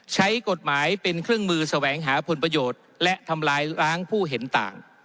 ใช้กฎหมายเป็นเครื่องมือแสวงหาผลประโยชน์และทำลายล้างผู้เห็นต่าง